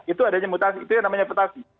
itu namanya mutasi